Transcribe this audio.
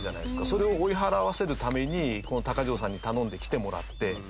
それを追い払わせるためにこの鷹匠さんに頼んで来てもらって。